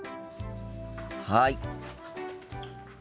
はい。